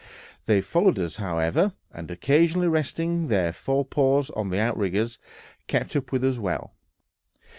They followed us, however, and, occasionally resting their fore paws on the outriggers, kept up with us well.